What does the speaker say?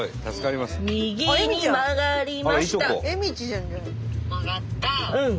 右に曲がりました。